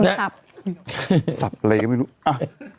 คำสับสับอะไรก็ไม่รู้อะเกิน